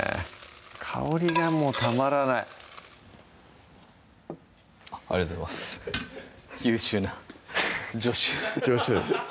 香りがもうたまらないありがとうございます優秀な助手助手